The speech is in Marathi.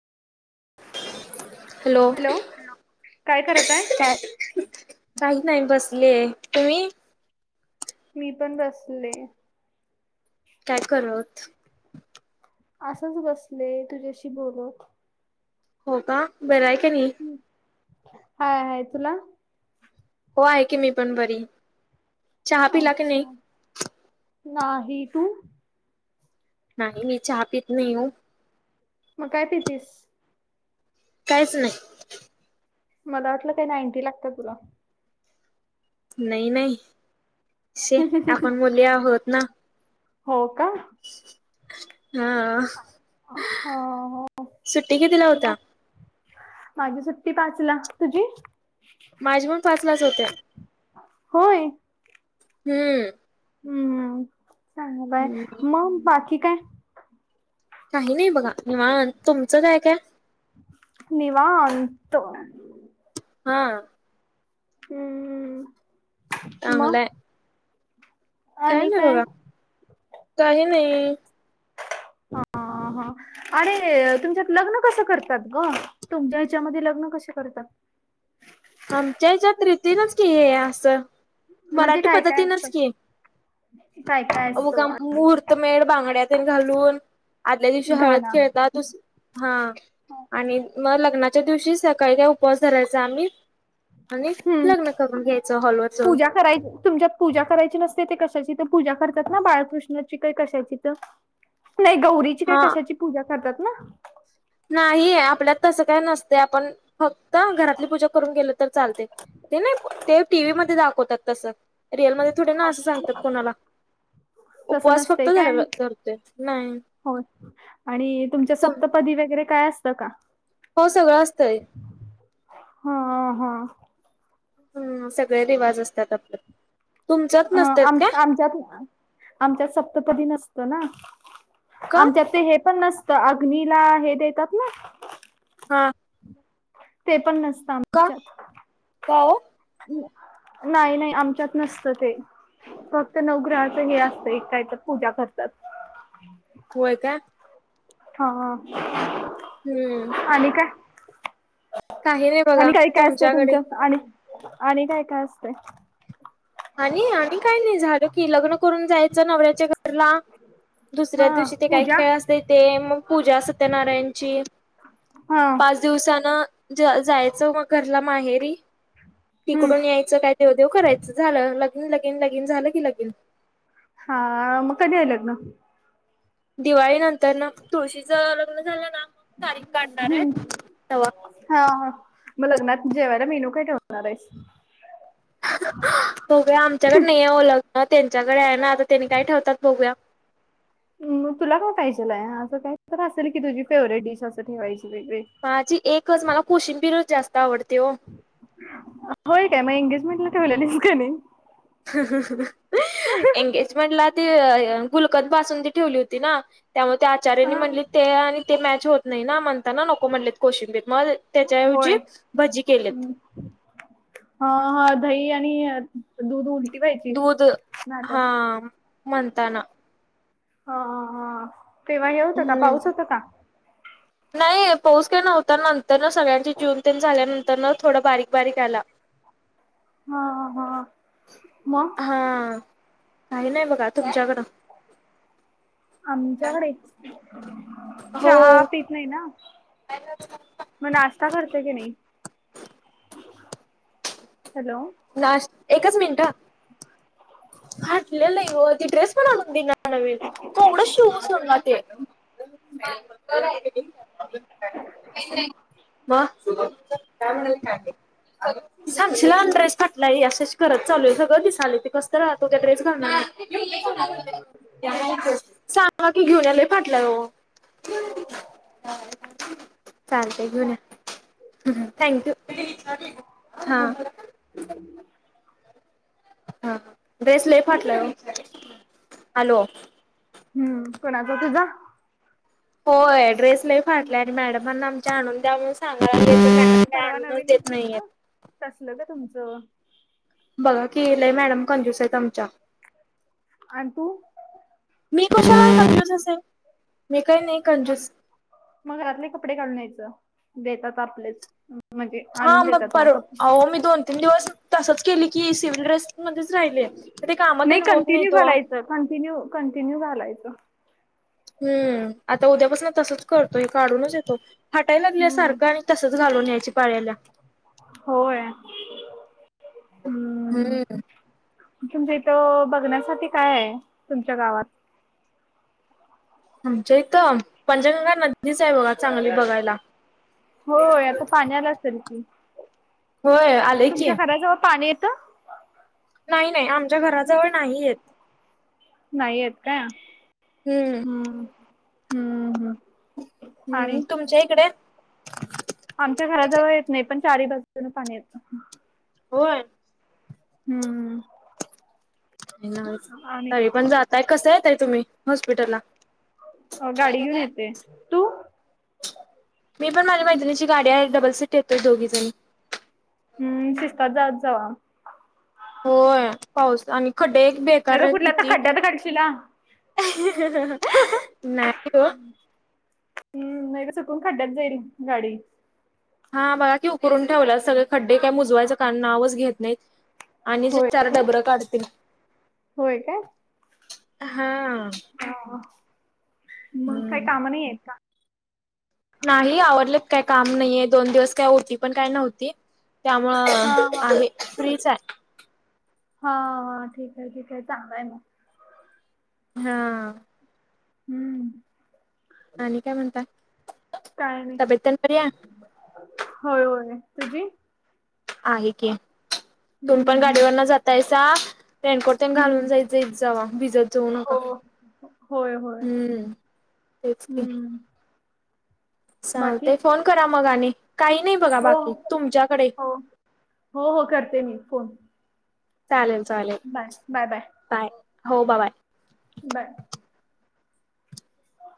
हॅलो. काय करत आहे काय काही नाही बसलीये. तुम्हीं? मी पण बसले. काय करत असंच बसले तुझ्याशी बोलत. हो, का. बरं हाय का नाई? हाय, हाय. तुला? हो आहे की मी पण बरी. चहा पिला की नाही अच्छा, नाही तू. नाही मी चहा पीत नाही वो. मग काय पितीस? काहीच नाही. मला वाटलं काय नाईंनटी लागत्या तुला. नाही नाही शे, आपण मुली आहोत ना. हो, का. हा. ह सुट्टी कितीला मग होत्या? माझी सुट्टी पाचला., तुझी? माझ्या पण पाचलाच होत्या. होय. हूं.... हुं... चांगलाय. मग बाकी काय.? काही नाही बघा, निवांत तुमचं काय काय? निवांत. हां. हम्म हं. चांगलं हाय. आणि काय? काही नाही. हां हां अरे तुमच्यात लग्न कसं करतात गं? तुमच्या हेच्यामध्ये लग्न कसे करतात? आमच्या हेच्यात रितीनच की आहे असं. म्हणजे मराठी काय काय पद्धतीनच असतं की. काय काय उ असतो का महूर्तमेड, बांगड्या तेन घालून आदल्या दिवशी हळद घाना खेळतात. दुस हां आणि मग लग्नाच्या दिवशी सकाळी काय उपवास धरायचा आम्ही. आणि हम्म लग्न करून घ्यायचं हॉलवर जाऊन पूजा करायची तुमच्या पूजा करायची नसते, ती कशाची तर पूजा करतात ना बाळकृष्णाची काय कशाची तर? नाही गौरीची काय हा कशाची पूजा करतात ना? नाहीे आपल्यात तसं काय नसतंय आपण फक्त घरातली पूजा करून गेलो तर चालतंय. ते नाही ते टीव्हीमध्ये दाखवतात तसं. रिअलमध्ये थोडे ना असं सांगतात कोणाला. तस उपवास फक्त नसतंय धर काय? धरतोय नाही होय. आणि तुमच्या तुम सप्त पदी वगैरे काय असतं का? हो सगळं असतंय. हां हां हां. हं सगळे रिवाज असतात आपल्यात. हाय आम आमच्यात आमच्यात सप्तपदी नसतं ना, का आमच्यात ते हे पण नस तं अग्नीला हे देतात ना हां. तेपण नसतं आम्हा का, का ओ? नाही नाही आमच्यात नसतं ते. फक् नवग्रहाचं हे असतंय, एक काय तर पूजा करतात. होय काय. हां, हम्म. आणि काय? काही नाही बघा आणि काय काय असतंय तुमच्याकडे. तुमच्यात आणि, आणि काय काय असतंय? आणि आणि काय नाही झालं की लग्न करून जायचं नवऱ्याच्या घरला. दुसऱ्या हा दिवशी ते काय पूजा खेळ असतंय ते मग पूजा सत्यनारायणची हां. पाच दिवसानं ज जायचं मग घरला माहेरी. हम्म तिकडून यायचं काय देव देव करायचं झालं, लग्न लगीन लगीन झालं की लगीन. हां मग कधी आलेत ना? दिवाळी नंतर ना तुळशीच लग्न झालं ना मग तारीख काढणार आहे. हम्म तवा हा हा. मग लग्नात जेवायला मेनू काय ठेवणार आहेस? बघूया आमच्याकडे नाही आहे ओ लग्न त्यांच्याकडे आहे ना, आता त्यांनी काय ठेवतात बघूया. मग तुला काय पाहिजेल आहे? असं काही तर असेल की, तुझी फेवरेट डिश असं ठेवायची वेगवेग माझी एकच मला कोशिंबीर जास्त आवडते ओ. होय काय मग, एंगेजमेंटला ठेवलेलीस काय नाही? ह..., एंगेजमेंटला ते गुलकंद बासुंदी ठेवली होती ना, त्यामुळ ते आचार्यांनी हा म्हणले ते आणि ते मॅच होत नाही ना, म्हणताना नको म्हणलेत कोशिंबीर मग होय त्याच्याऐवजी भजी केलेत. हम्म. हा हा, दही आणि दूध उलटी व्हायची. दूध नाहीतर हा म्हणताना ह...., तेव्हा हे होतं का? हम्म. पाऊस होतं का? नाही पाऊस काही नव्हता. नंतर न सगळ्यांचे जेवन तेन झाल्यानंतर ना, थोडा बारीक बारीक आला. [inaudible] हा हा, मग हा, काही नाही बघा तुमच्याकडं आमच्याकडे हो चहा पीत नाही ना, मग नाश्ता करते की नाही? हॅलो, नाश एकच मिनिटं हं, फाटलेल ओ ते ड्रेस पण आणून देईना नवीन, कोवढं शिवून सोल्ला ते. [unintelligible] मग [unintelligible] काय म्हणाली ठाकी [unintelligible] साक्षीला आण ड्रेस अशेश करत चालू आहे सगळं दिसाले ते कसतर राहतो उद्या ड्रेस घालणार नाही. ये आणा इथंच, सांगा की घेऊया लय फटलाय ओ. [unintelligible] चालते घेऊन या. ह ह, थँक्यू [unintelligible] हा, ठीक [unintelligible] हा हा, ड्रेस लई फाटलाय ओ. हॅलो, हम, कोणाचा तुझा होय. ड्रेस लई फाटलाय आणि मॅडमांना आमच्या आणून द्या म्हणून सां सांगा लागलीत तर, मॅडम काय आणूनच देत नाहीये. कसलं ग तुमचं? बघा की, लई मॅडम कंज्यूस आहेत आमच्या. आण तू मी कशाला कंज्यूस असेल. मी काही नाही आप, कंजूस मग घरातले कपडे घालून यायचं. देतात आपलेच ह, हां मग पर्व आहों मी दोन तीन दिवस तसंच केली की, सिव्हिल ड्रेस मध्येच राहिले. रे काम तेन होत नाहीत ओ. जर कंटिन्यू कंटिन्यू घालायचं. हम्म, आता उद्यापासनं तसंच करतोय. हे काढूनस येतो. फाटा लागलंय हम्म. सारखं आणि तसंच घालून यायची पाळी आल्या. होय. [inaudible] हम्म ह, तुमच्या इथं बघण्यासाठी काय आहे. तुमच्या गावात? आमच्या इथं पंचगंगा नदीच आहे बघा, चांगली बघायला. होय. आता पाणी आलं असेल की, होय. आलंय की, [unintelligible] पाणी येतं. नाही नाही आमच्या घराजवळ नाही येत नाही येत काय हम्म हम्म... हम्म हम्म हम्म आणि तुमच्या इकडे आमच्या घराजवळ येत नाही पण चारी बाजून पाणी येत होय हम्म आणि तरी पण जाताय कस येताय तुम्ही हॉस्पिटल ला अ गाडी घेऊन येते तू मी पण माझ्या मैत्रिणीची गाडी आहे डबल सीट येतोय दोघीजणी हम्म शिस्तात जात जावा होय पाऊस आणि खड्डे एक नाही बेकार तर आहेत कुठल्या तर किती खड्ड्यात काढशील हा. नाही ओ हम्म नाही तर चुकून खड्यात जाईल गाडी हा बघा की उकरून ठेवल्यात सगळे खड्डे काय बुजवायचं नावच घेत नाहीत आणि जे होय चार काय डबरं काढतील होय हा हो मग काही हम्म. काम नाहीत का नाही आवरल्यात काय काम नाहीये दोन दिवस काय होती पण काय नव्हती त्यामुळं हा हा आहे फ्रीच आहे हाा ठीक आहे ठीक आहे चांगलंय मग हा हम्म आणि काय म्हणता काय नाही तब्येत तेन बरी हाय होय होय तुझी आहे की तुमी हम्म पण गाडीवर हम्म न जातायसा रेनकोट तेन घालून हम्म जाईत जावा भिजत जाऊ नका हो होय होय हम्म तेच की हम्म बाकी सांगते फोन करा मग आणि काही नाही बघा हो बाकी तुमच्याकडे हो हो हो करते मी फोन चालेल चालेल बाय बाय बाय हो बा बाय बाय